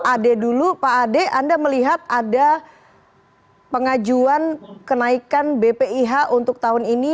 pak ade dulu pak ade anda melihat ada pengajuan kenaikan bpih untuk tahun ini